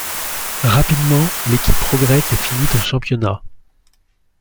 Rapidement, l'équipe progresse et finit au championnat.